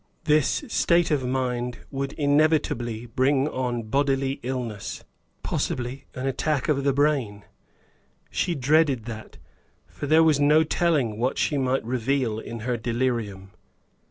This state of mind would inevitably bring on bodily illness, possibly an attack of the brain. She dreaded that; for there was no telling what she might reveal in her delirium.